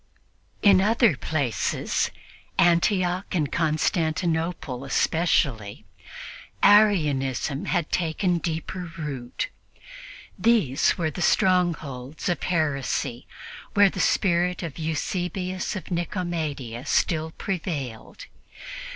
In other places, Antioch and Constantinople especially, Arianism had taken deeper root. These were the strongholds of heresy, where the spirit of Eusebius of Nicomedia still prevailed.